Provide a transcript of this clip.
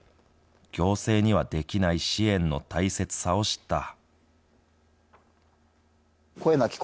行政にはできない支援の大切さを知った。